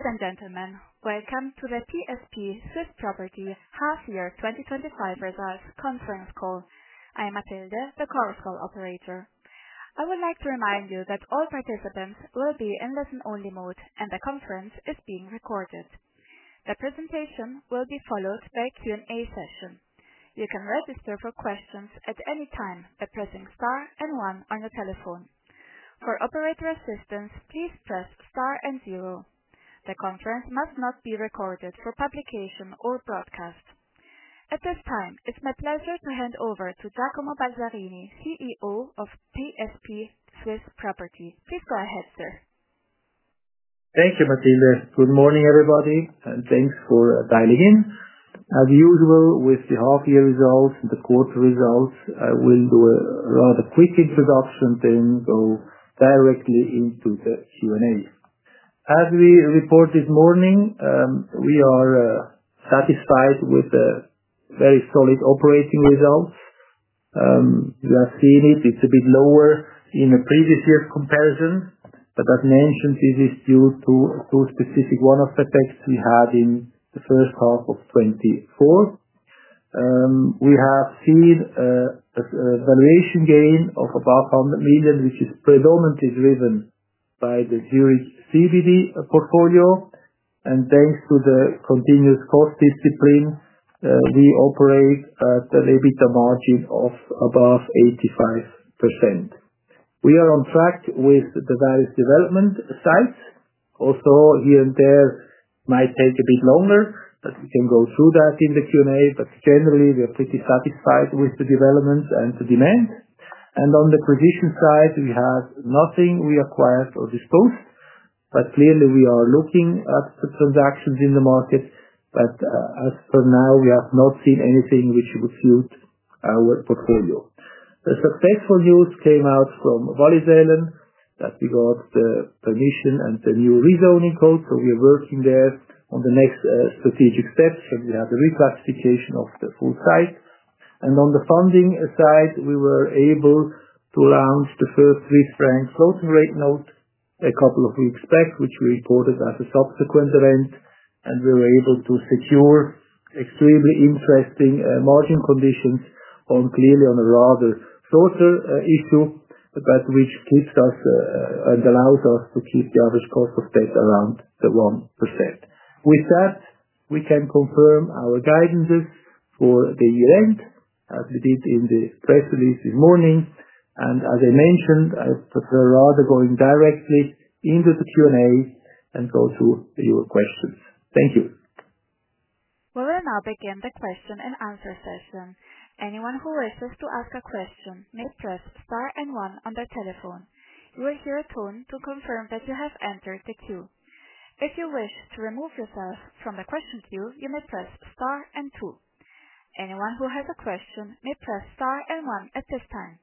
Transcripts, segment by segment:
Ladies and gentlemen, welcome to the PSP Swiss Property Half Year 2025 Results Conference Call. I am Matilde, the call operator. I would like to remind you that all participants will be in listen-only mode, and the conference is being recorded. The presentation will be followed by a Q&A session. You can register for questions at any time by pressing star and one on your telephone. For operator assistance, please press star and zero. The conference must not be recorded for publication or broadcast. At this time, it's my pleasure to hand over to Giacomo Balzarini, CEO of PSP Swiss Property. Please go ahead, sir. Thank you, Matilda. Good morning, everybody, and thanks for dialing in. As usual, with the half-year results, the quarter results, I will do a rather quick introduction and then go directly into the Q&A. As we reported this morning, we are satisfied with the very solid operating results. As I've seen it, it's a bit lower in a previous year's comparison. As mentioned, this is due to two specific one-off effects we had in the first half of 2024. We have seen a valuation gain of about 100 million, which is predominantly driven by the Zurich CBD portfolio. Thanks to the continuous cost discipline, we operate at an EBITDA margin of above 85%. We are on track with the various development sites. Here and there, it might take a bit longer, but we can go through that in the Q&A. Generally, we are pretty satisfied with the developments and the demand. On the acquisition side, we have nothing we acquire or dispose. Clearly, we are looking at the transactions in the market. As per now, we have not seen anything which would suit our portfolio. The successful news came out from Wallisellen. We got the permission and the new rezoning code, so we are working there on the next strategic steps. We have the reclassification of the full site. On the funding side, we were able to launch the first three-franc floating rate loan a couple of weeks back, which we reported as a subsequent event. We were able to secure extremely interesting margin conditions on a rather shorter issue, which allows us to keep the average cost of debt around the 1%. With that, we can confirm our guidances for the year-end, as we did in the press release this morning. As I mentioned, I prefer rather going directly into the Q&A and go through your questions. Thank you. We will now begin the question and answer session. Anyone who wishes to ask a question may press star and one on their telephone. You'll hear a tone to confirm that you have entered the queue. If you wish to remove yourself from the question queue, you may press star and two. Anyone who has a question may press star and one at this time.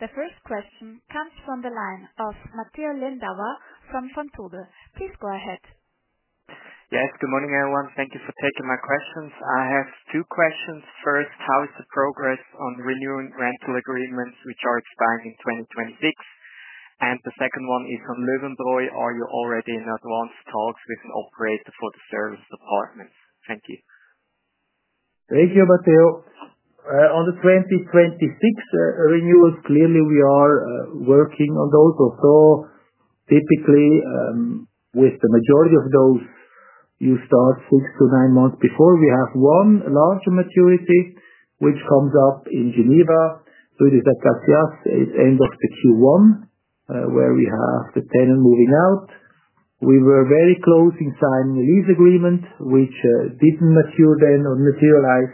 The first question comes from the line of Matteo Lindauer from Consulte. Please go ahead. Yes. Good morning, everyone. Thank you for taking my questions. I have two questions. First, how is the progress on the renewing rental agreements, which are expiring in 2026? The second one is on Löwenbräu. Are you already in advanced talks with an operator for the service department? Thank you. Thank you, Matteo. On the 2026 renewals, clearly, we are working on those. Typically, with the majority of those, you start six to nine months before. We have one larger maturity, which comes up in Geneva. It is the end of Q1, where we have the tenant moving out. We were very close in signing a lease agreement, which didn't materialize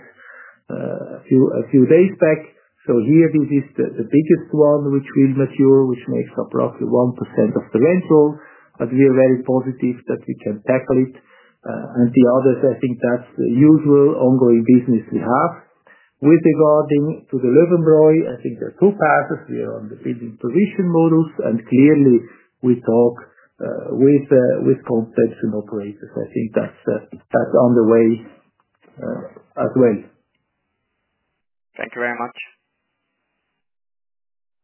a few days back. This is the biggest one, which will mature, which makes approximately 1% of the rental. We are very positive that we can tackle it. The others, I think that's the usual ongoing business we have. Regarding the Löwenbräu, I think there are two partners. We are on the building repositioning modules. Clearly, we talk with contracts and operators. I think that's on the way, as well. Thank you very much.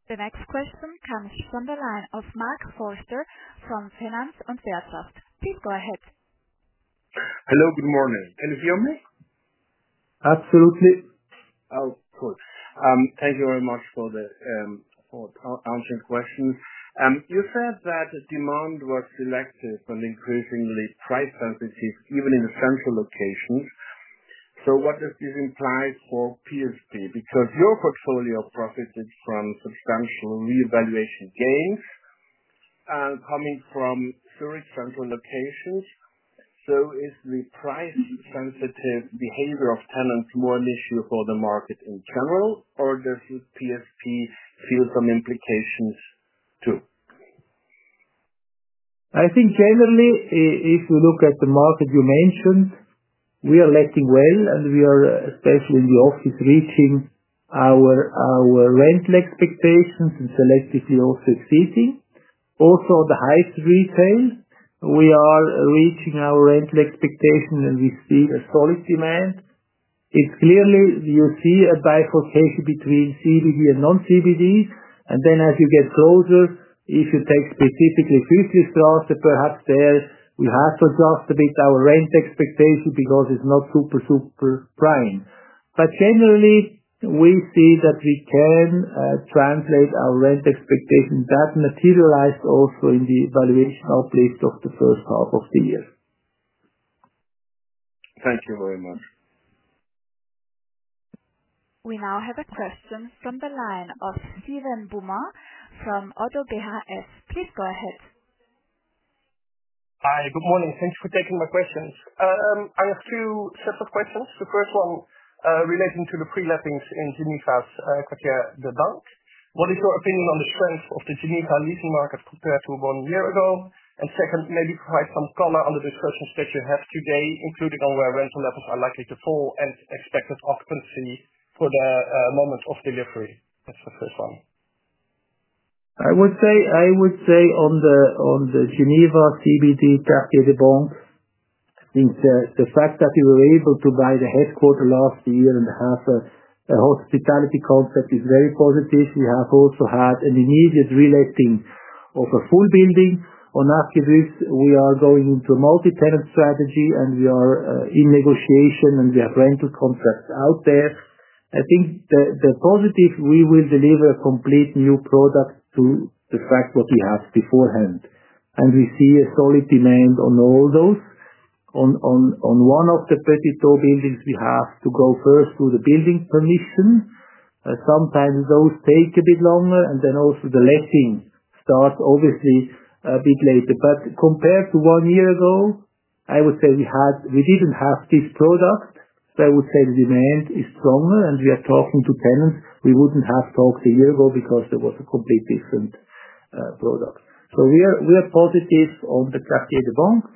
The next question comes from the line of Mark Forster from Finance and SalesOft. Please go ahead. Hello, good morning. Can you hear me? Absolutely. Thank you very much for answering questions. You said that demand was selective and increasingly price sensitive, even in the central locations. What does this imply for PSP? Your portfolio profited from substantial revaluation gains coming from Zurich's central locations. Is the price-sensitive behavior of tenants more an issue for the market in general, or does PSP feel some implications too? I think generally, if you look at the market you mentioned, we are letting well, and we are especially in the office reaching our rental expectations and selectively also seizing. Also, on the highest retail, we are reaching our rental expectation, and we see a solid demand. It is clearly, you see a bifurcation between CBD and non-CBD. As you get closer, if you take specifically Tuesday's transit, perhaps there we have to adjust a bit our rent expectation because it's not super, super prime. Generally, we see that we can translate our rent expectation that materialized also in the valuation uplift of the first half of the year. Thank you very much. We now have a question from the line of Steven Boumart from Otto BHS. Please go ahead. Hi. Good morning. Thank you for taking my questions. I have two separate questions. The first one relating to the pre-lettings in Geneva's Côte d'Argent. What is your opinion on the strength of the Geneva leasing market compared to one year ago? Second, maybe provide some color under the questions that you have today, including on where rental levels are likely to fall and expected asking for the moment of delivery. That's the first one. I would say on the Geneva CBD Cartier de Banque, I think the fact that we were able to buy the headquarter last year and have a hospitality concept is very positive. We have also had an immediate re-letting of a full building. On Askivis, we are going into a multi-tenant strategy, and we are in negotiation, and we have rental contracts out there. I think the positive is we will deliver a complete new product to the facts what we have beforehand. We see a solid demand on all those. On one of the 32 buildings, we have to go first through the building permission. Sometimes those take a bit longer, and then also the letting starts, obviously, a bit later. Compared to one year ago, I would say we didn't have this product, but I would say the demand is stronger. We are talking to tenants we wouldn't have talked to a year ago because there was a completely different product. We are positive on the Cartier de Banque.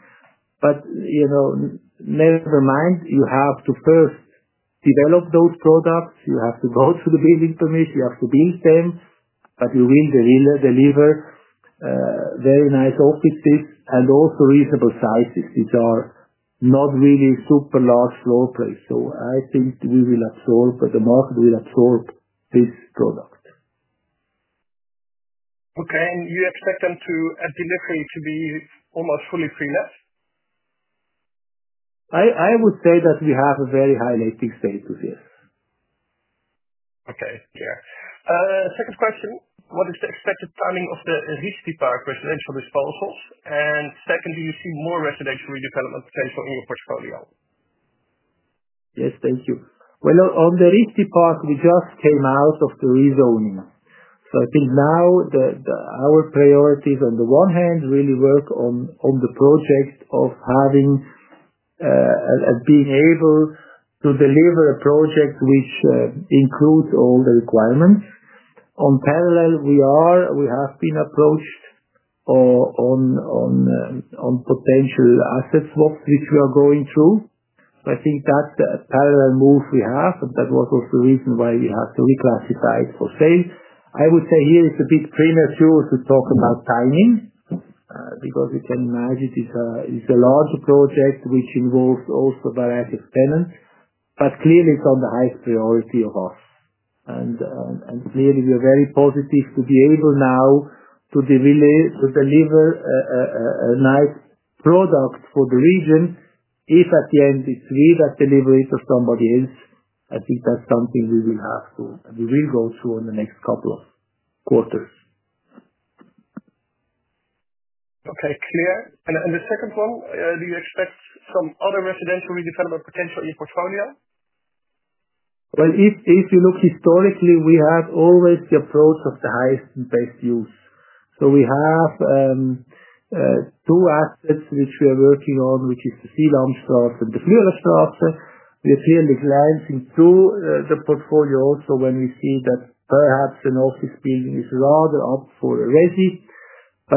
You have to first develop those products. You have to go through the building permission. You have to lease them. You will deliver very nice offices and also reasonable sizes. These are not really super large floor plans. I think the market will absorb this product. Okay. You expect them at delivery to be almost fully free lease? I would say that we have a very high letting status, yes. Okay. Second question. What is the expected timing of the Rixty Park residential disposal? Second, do you see more residential redevelopment potential in the portfolio? Yes, thank you. On the Rixty Park, we just came out of the rezoning. I think now our priorities, on the one hand, are to really work on the project of having and being able to deliver a project which includes all the requirements. In parallel, we have been approached on a potential asset swap, which we are going through. I think that's a parallel move we have, and that was also the reason why you had to reclassify it for sale. I would say here it's a bit premature to talk about timing, because you can imagine it is a larger project, which involves also a variety of tenants. Clearly, it's on the highest priority for us. Clearly, we are very positive to be able now to deliver a nice product for the region. If at the end, we see that delivery is of somebody else, I think that's something we will have to and we will go through in the next couple of quarters. Okay. Clear. On the second one, do you expect some other residential redevelopment potential in your portfolio? If you look historically, we had always the approach of the highest-based use. We have two assets which we are working on, which are the Sihlstrasse and the Flurstrasse. We are clearly glancing through the portfolio also when we see that perhaps an office building is rather up for a rental.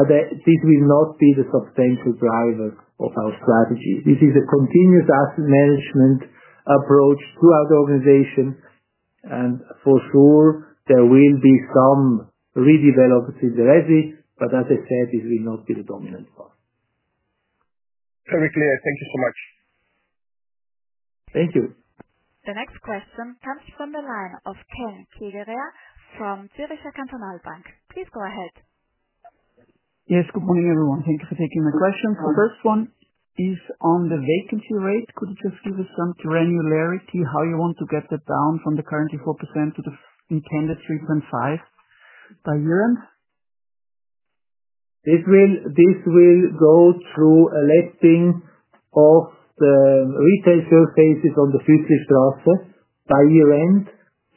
It will not be the substantial driver of our strategy. This is a continuous asset management approach throughout the organization. For sure, there will be some redevelopments in the residence. As I said, it will not be the dominant one. Very clear. Thank you so much. Thank you. The next question comes from the line of Tom Kielerer from Zürcher Kantonalbank. Please go ahead. Yes. Good morning, everyone. Thank you for taking my question. The first one is on the vacancy rates. Could you just give us some granularity how you want to get that down from the currently 4% to the intended 3.5% by year-end? This will go through a letting of the retail showcases on the Fützlichstraße by year-end,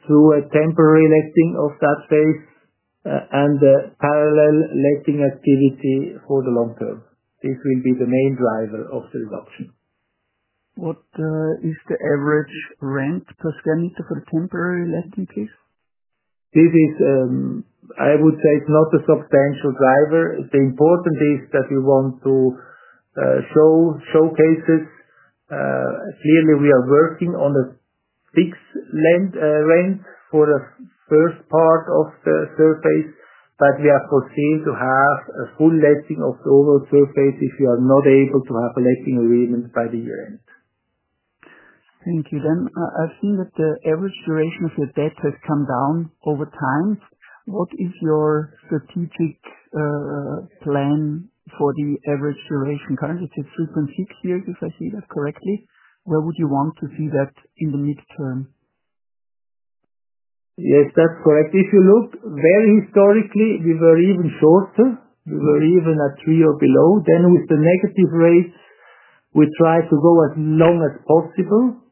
through a temporary letting of that space and the parallel letting activity for the long term. This will be the main driver of the reduction. What is the average rent per square meter for a temporary letting, please? I would say it's not a substantial driver. The important thing is that you want to show showcases. Clearly, we are working on a fixed rent for the first part of the surface. We are foreseeing to have a full letting of the overall surface if you are not able to have a letting agreement by the year-end. Thank you. I've seen that the average duration of your debt has come down over time. What is your strategic plan for the average duration? Currently, it is 3.6 years, if I see that correctly. Where would you want to see that in the midterm? Yes, that's correct. If you look very historically, we were even shorter. We were even at three or below. With the negative rates, we try to go as long as possible.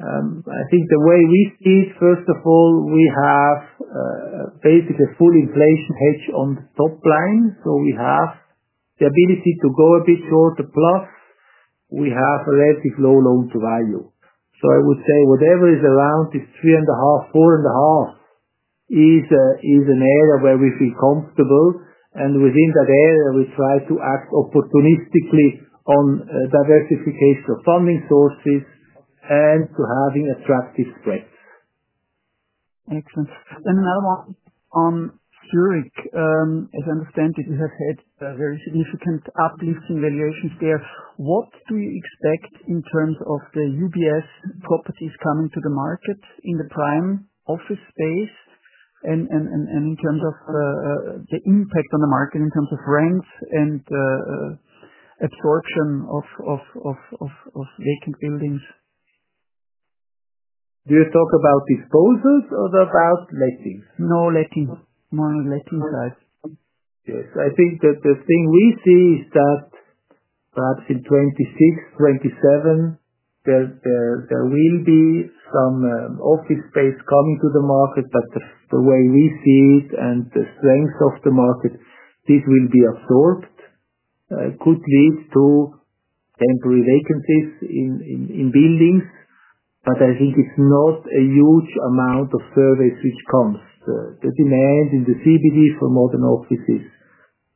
I think the way we see it, first of all, we have basically a full inflation hedge on the top line. We have the ability to go a bit toward the plus. We have a relatively low loan-to-value. I would say whatever is around this 3.5, 4.5 is an area where we feel comfortable. Within that area, we try to act opportunistically on diversification of funding sources and to having attractive spreads. Excellent. Another one on Zurich. As I understand it, you have had a very significant uplift in valuations there. What do you expect in terms of the UBS properties coming to the market in the prime office space and in terms of the impact on the market in terms of rent and absorption of vacant buildings? Do you talk about disposals or about lettings? No, lettings. More on lettings, guys. Yes. I think that the thing we see is that perhaps in 2026, 2027, there will be some office space coming to the market. The way we see it and the strength of the market, this will be absorbed. It could lead to temporary vacancies in buildings. I think it's not a huge amount of service which comes. The demand in the CBD for modern offices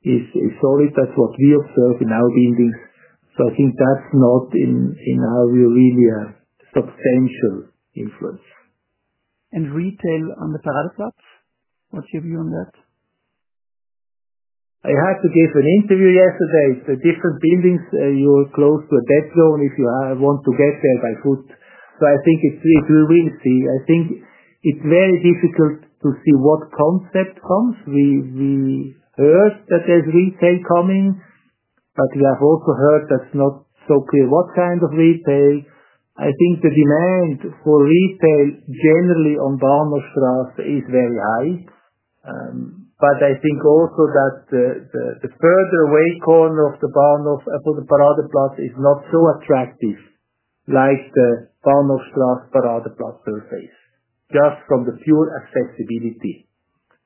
is solid. That's what we observe in our buildings. I think that's not in our view really a substantial influence. What is your view on retail on the paradise lots? I had to give an interview yesterday. Different buildings, you're close to a dead zone if you want to get there by foot. I think it's very difficult to see what concept comes. We heard that there's retail coming, but we have also heard that's not so clear what kind of retail. I think the demand for retail generally on Bahnhofstraße is very high. I think also that the further away corner of the Bahnhof upon the Paradeplatz is not so attractive like the Bahnhofstraße Paradeplatz surface just from the view accessibility.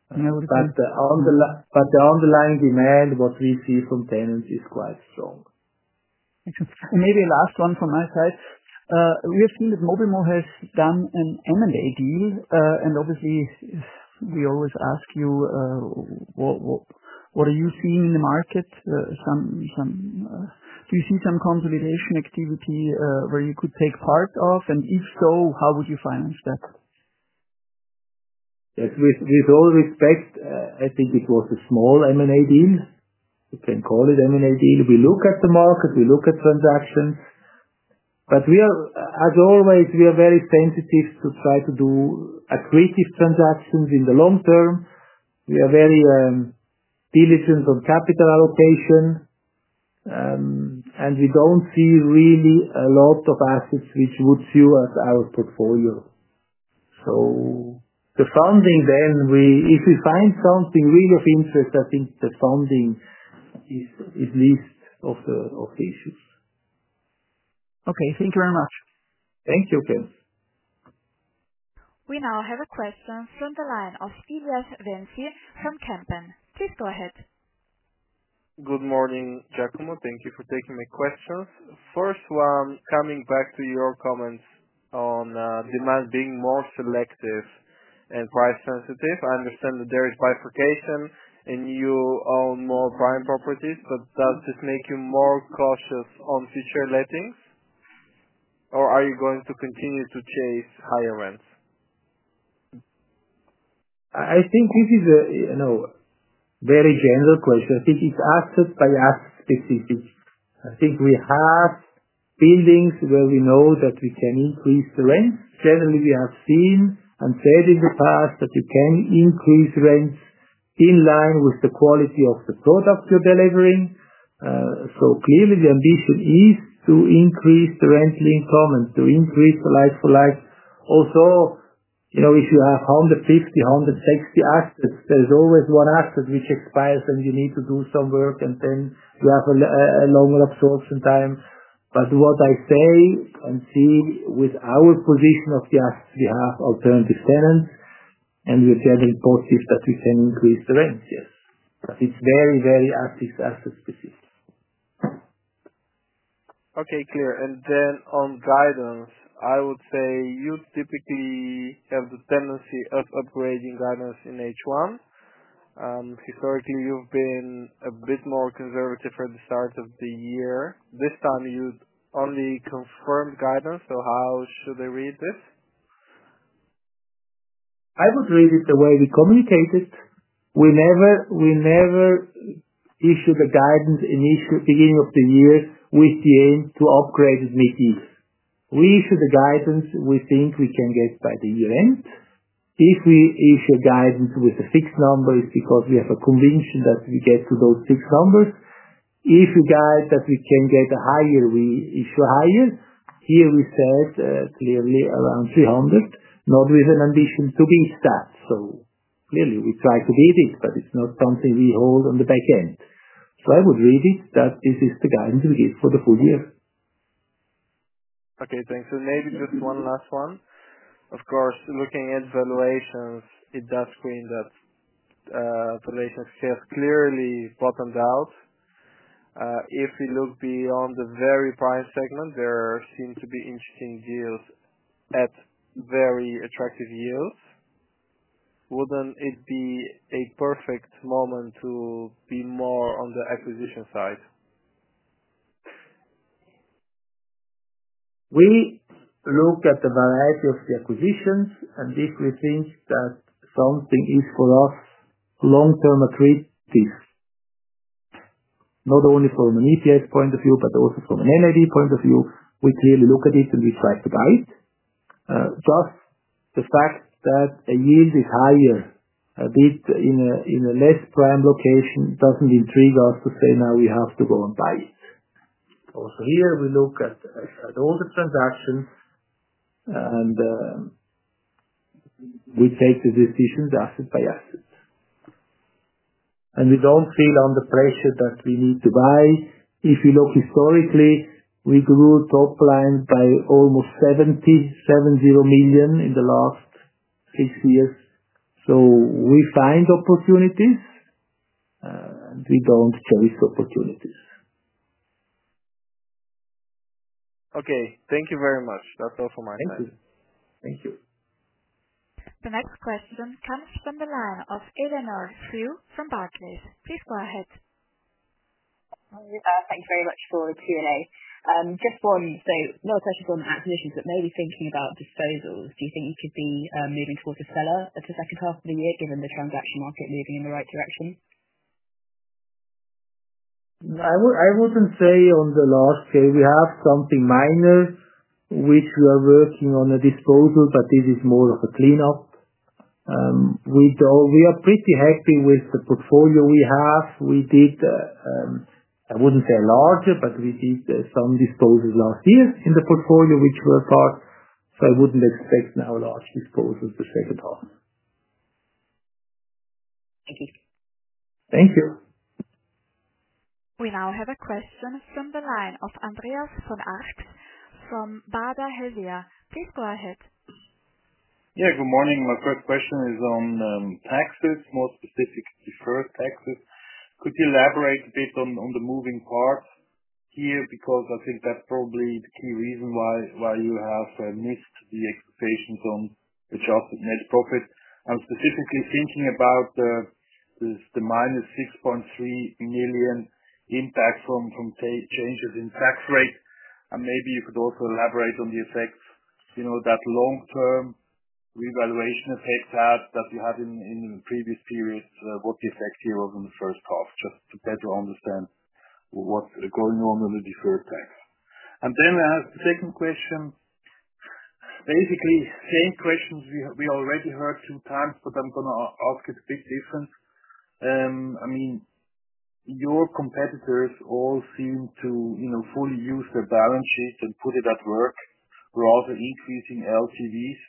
The underlying demand, what we see from tenants, is quite strong. Maybe a last one from my side. We're seeing that Mobimo has done an M&A deal. Obviously, we always ask you, what are you seeing in the market? Do you see some consolidation activity where you could take part of? If so, how would you finance that? Yes. With all respect, I think it was a small M&A deal. You can call it M&A deal. We look at the market. We look at transactions. We are, as always, very sensitive to try to do accretive transactions in the long term. We are very diligent on capital allocation. We do not see really a lot of assets which would suit our portfolio. If we find something really of interest, I think that funding is least of the issues. Okay, thank you very much. Thank you, okay. We now have a question from the line of TBS Vinci from Kempen. Please go ahead. Good morning, Giacomo. Thank you for taking my questions. First one, coming back to your comments on demand being more selective and price-sensitive. I understand that there is bifurcation and you own more prime properties, but does this make you more cautious on future lettings? Or are you going to continue to chase higher rents? I think this is a very general question. I think it's asset-by-asset specific. I think we have buildings where we know that we can increase the rent. Generally, we have seen and said in the past that you can increase rents in line with the quality of the product you're delivering. Clearly, the ambition is to increase the rental income and to increase the like-for-like. Also, if you have 150, 160 assets, there's always one asset which expires and you need to do some work, and then you have a longer absorption time. What I say and see with our position of the assets, we have alternative tenants, and we are generally positive that we can increase the rent, yes. It's very, very asset-specific. Okay. Clear. On guidance, I would say you typically have the tendency of upgrading guidance in H1. Historically, you've been a bit more conservative from the start of the year. This time, you'd only confirm guidance. How should I read this? I would read it the way we communicate it. We never issued a guidance in the beginning of the year with the aim to upgrade the meetings. We issue the guidance we think we can get by the year-end. If we issue guidance with a fixed number, it's because we have a conviction that we get to those fixed numbers. If we guide that we can get a higher, we issue a higher. Here we said clearly around 300, not with an ambition to beat that. We try to be this, but it's not something we hold on the back end. I would read it that this is the guidance we give for the full year. Okay. Thanks. Maybe just one last one. Of course, looking at valuations, it does screen that the latest sales clearly bottomed out. If we look beyond the very prime segment, there seem to be interesting deals at very attractive yields. Wouldn't it be a perfect moment to be more on the acquisition side? We look at the variety of the acquisitions, and if we think that something is for us long-term activities, not only from an EPS point of view, but also from an NAD point of view, we clearly look at it and decide to buy it. Just the fact that a yield is higher, a bit in a less prime location, doesn't intrigue us to say now we have to go and buy it. We look at all the transactions, and we take the decisions asset by asset. We don't feel under pressure that we need to buy. If you look historically, we grew top line by almost 70 million in the last six years. We find opportunities, and we don't chase opportunities. Okay. Thank you very much. That's all from my side. Thank you. Thank you. The next question comes from the line of Eleanor Few from Basel. Please go ahead. Thank you very much for the Q&A. Just one, so not a question from commissions, but maybe thinking about disposals. Do you think you should be moving towards a seller at the second half of the year given the transaction market moving in the right direction? I wouldn't say on the last day. We have something minor which we are working on, a disposal, but this is more of a cleanup. We are pretty happy with the portfolio we have. We did, I wouldn't say a larger, but we did some disposals last year in the portfolio which were apart. I wouldn't expect now a large disposal in the second half. Thank you. Thank you. We now have a question from the line of Andreas von Art from Bader Höller. Please go ahead. Yeah. Good morning. My first question is on tax bills, more specifically deferred taxes. Could you elaborate a bit on the moving parts here? I think that's probably the key reason why you have missed the expectations on the net profit. I'm specifically thinking about the minus 6.3 million impact from changes in tax rates. Maybe you could also elaborate on the effects, you know, that long-term revaluation of assets that you had in the previous periods, what the effect here was on the first half to better understand what's going on with the deferred tax. I have the second question. Basically, it's the same questions we already heard two times, but I'm going to ask it a bit different. I mean, your competitors all seem to fully use their balances and put it at work, rather increasing LTVs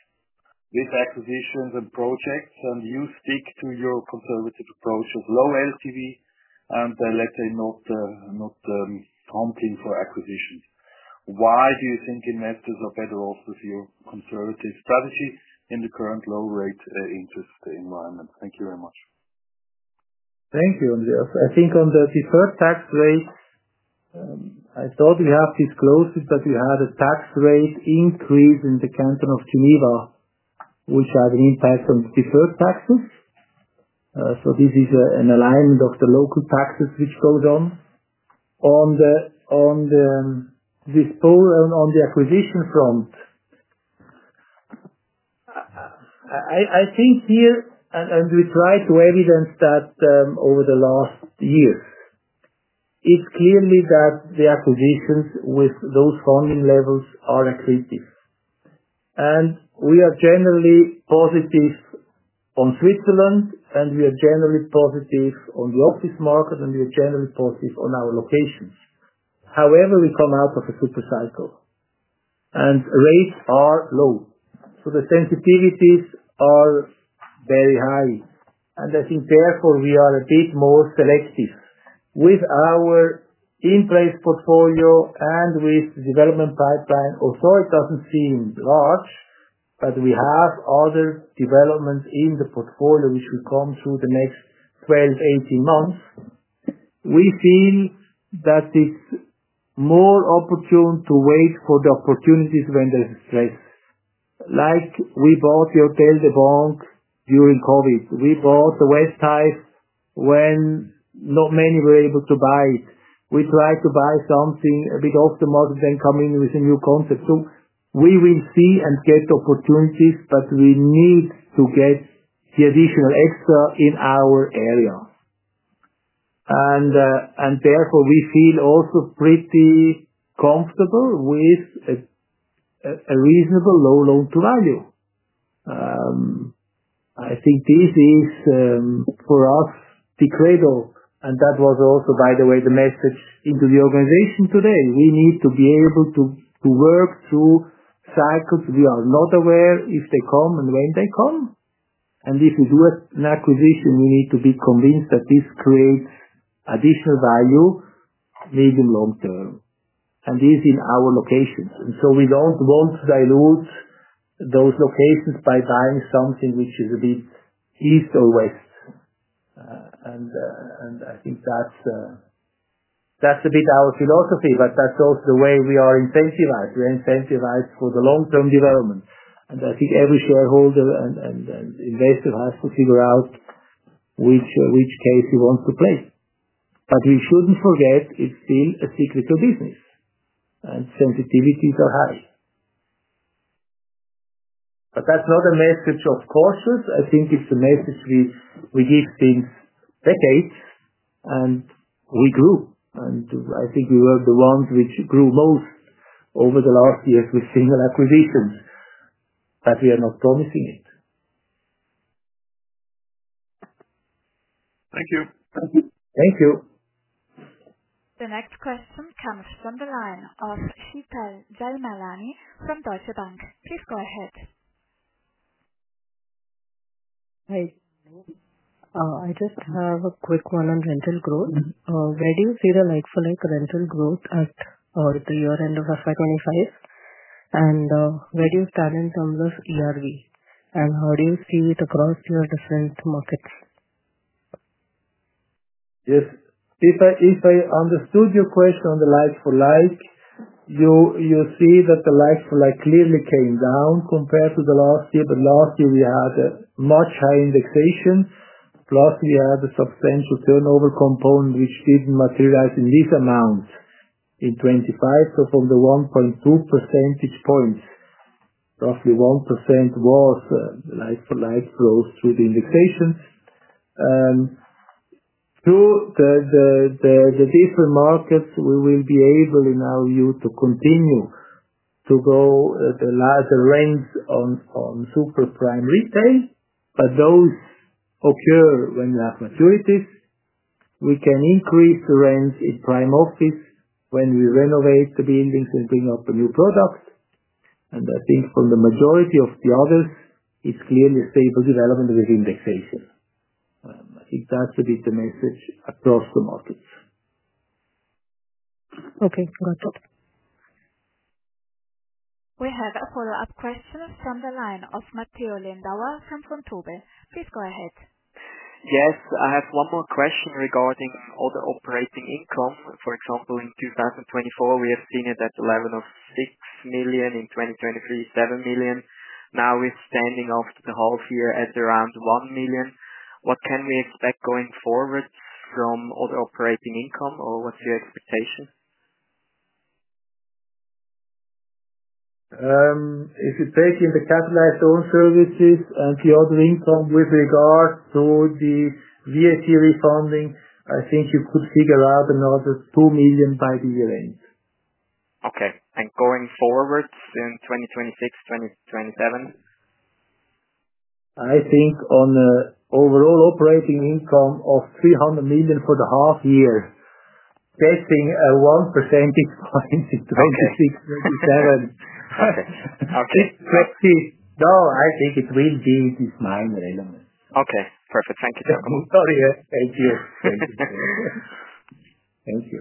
with acquisitions and projects. You stick to your conservative approach of low LTV and, let's say, not prompting for acquisitions. Why do you think investors are better off with your conservative strategies in the current low-rate interest environment? Thank you very much. Thank you, Andreas. I think on the deferred tax rate, I thought we have this closely, but we had a tax rate increase in the canton of Geneva, which had an impact on deferred taxes. This is an alignment of the local taxes which goes on. On the acquisition front, I think here, and we try to evidence that over the last years, it's clearly that the acquisitions with those funding levels are accretive and we are generally positive on Switzerland and we are generally positive on the office market and we are generally positive on our locations. However, we come out of a super cycle and rates are low. The sensitivities are very high. I think, therefore, we are a bit more selective with our in-place portfolio and with the development pipeline. Although it doesn't seem large, we have other developments in the portfolio which will come through the next 12-18 months, we feel that it's more opportune to wait for the opportunities when there's a stress. Like we bought the Hotel de Banque during COVID. We bought the West Ties when not many were able to buy it. We tried to buy something a bit after market then come in with a new concept. We will see and get opportunities, but we need to get the additional extra in our area. Therefore, we feel also pretty comfortable with a reasonable low loan-to-value. I think this is, for us, the cradle. That was also, by the way, the message into the organization today. We need to be able to work through cycles. We are not aware if they come and when they come. If we do an acquisition, we need to be convinced that this creates additional value medium-long term. This is in our locations. We don't want to dilute those locations by buying something which is a bit east or west. I think that's a bit our philosophy, but that's also the way we are incentivized. We're incentivized for the long-term development. I think every shareholder and investor has to figure out which case he wants to play. We shouldn't forget it's been a cyclical business and sensitivities are high. That's not a message of caution. I think it's a message we give things decades and we grew. I think we were the ones which grew most over the last years with single acquisitions. We are not promising it. Thank you. The next question comes from the line of Sipel Delmalani from Deutsche Bank. Please go ahead. Hi. I just have a quick one on rental growth. Where do you see the like-for-like rental growth at the year-end of 2025? Where do you stand in terms of ERV? How do you see it across your different markets? Yes. If I understood your question on the like-for-like, you see that the like-for-like clearly came down compared to last year. Last year, we had a much higher indexation. Plus, we had a substantial turnover component which didn't materialize in these amounts in 2025. From the 1.2 percentage points, roughly 1% was like-for-like growth through the indexation. Through the different markets, we will be able in our view to continue to go at a larger range on super prime retail. Those occur when we have maturities. We can increase the rents in prime office when we renovate the buildings and bring up a new product. I think for the majority of the others, it's clearly a stable development with indexation. I think that's a bit the message across the markets. Okay. Gotcha. We have a follow-up question from the line of Matteo Lindauer from Consulte. Please go ahead. Yes. I have one more question regarding other operating income. For example, in 2024, we have seen it at 11.6 million. In 2023, 7 million. Now we're standing after the half year at around 1 million. What can we expect going forward from other operating income, or what's your expectation? If you take in the capitalized own services and the other income with regards to the VAT refunding, I think you could figure out another 2 million by the year-end. Okay. Going forward in 2026, 2027? I think on an overall operating income of 300 million for the half year, getting a 1% increase in 2026, 2027. Okay. I think it will be this minor element. Okay. Perfect. Thank you. Thank you. Thank you.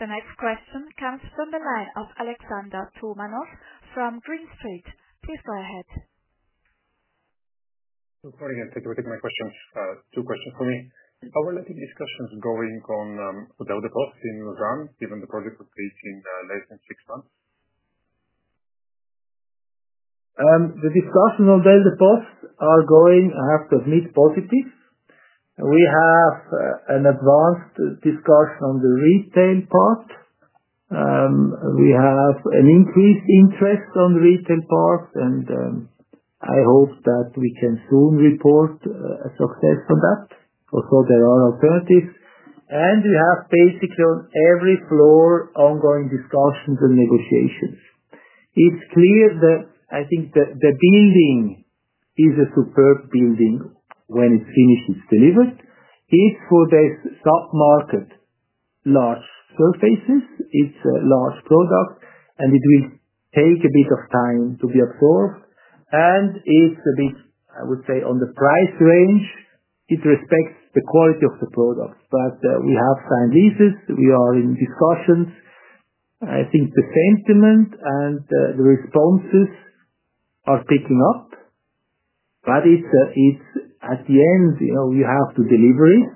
The next question comes from the line of Alexander Thumanov from Green Street. Please go ahead. Sorry, I take a look at my questions. Two questions for me. How will I think discussions going on Hotel de Post in Iran given the project is in less than six months? The discussion on Hotel de Post, I have to admit, is positive. We have an advanced discussion on the retail part. We have an increased interest on the retail part, and I hope that we can soon report a success on that. Also, there are alternatives. We have basically on every floor ongoing discussions and negotiations. It's clear that I think the building is a superb building when it's finished, it's delivered. It's for this submarket, large surfaces. It's a large product, and it will take a bit of time to be absorbed. It's a bit, I would say, on the price range with respect to the quality of the products. We have signed leases. We are in discussions. I think the sentiment and the responses are picking up. At the end, you know, you have to deliver it.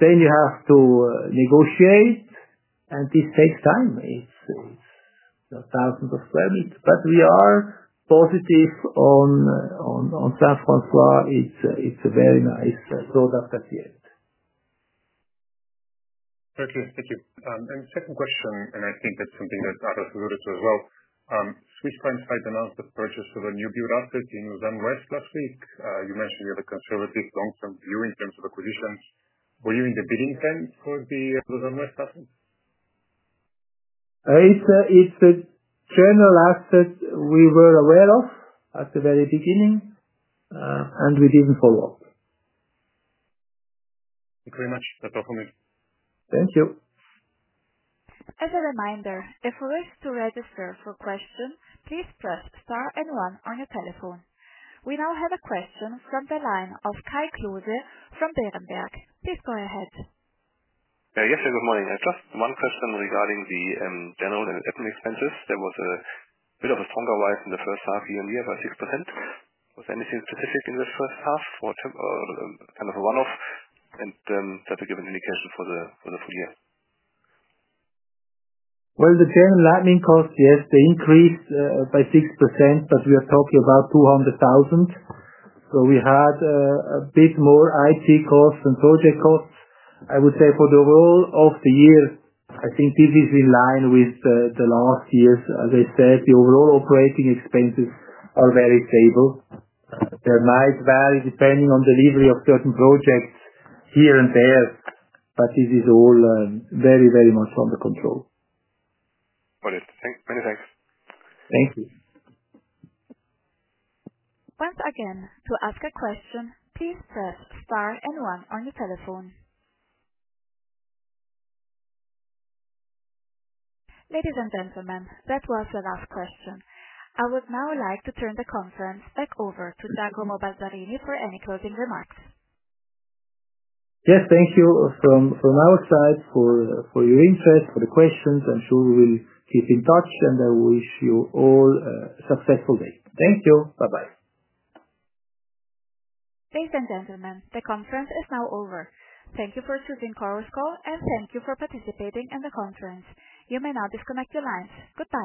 You have to negotiate, and this takes time. It's thousands of square meters. We are positive on San François. It's a very nice product at the end. Thank you. Thank you. The second question, I think that's something that others alluded to as well. Please quantify the amount of purchase of a new build asset in the Westplatz risk. You mentioned you have a conservative long-term view in terms of acquisitions. Were you in the bidding trend for the Westplatz? It's a general asset we were aware of at the very beginning, and we didn't follow up. Thank you very much. That's all from me. Thank you. As a reminder, if you wish to register for questions, please press star and one on your telephone. We now have a question from the line of Kai Klose from Berenberg. Please go ahead. Yes. Good morning. Just one question regarding the general and equity expenses. There was a bit of a stronger rise in the first half of the year by 6%. Was anything specific in this first half or kind of a one-off that would give an indication for the full year? The general admin cost, yes, they increased by 6%, but we are talking about CHF 200,000. We had a bit more IT costs and project costs. I would say for the role of the year, I think this is in line with last year's. As I said, the overall operating expenses are very stable. They might vary depending on delivery of certain projects here and there, but this is all very, very much under control. Got it. Thank you. Many thanks. Thank you. Once again, to ask a question, please press star and one on your telephone. Ladies and gentlemen, that was the last question. I would now like to turn the conference back over to Giacomo Balzarini for any closing remarks. Yes. Thank you from our side for your interest, for the questions. I'm sure we will keep in touch, and I wish you all a successful day. Thank you. Bye-bye. Ladies and gentlemen, the conference is now over. Thank you for choosing Chorus Call, and thank you for participating in the conference. You may now disconnect your lines. Goodbye.